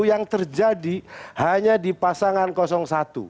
yang terjadi hanya di pasangan satu